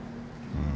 うん。